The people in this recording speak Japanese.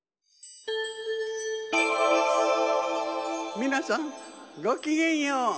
みなさんごきげんよう。